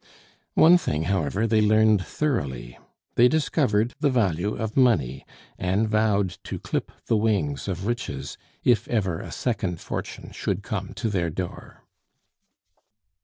One thing, however, they learned thoroughly they discovered the value of money, and vowed to clip the wings of riches if ever a second fortune should come to their door.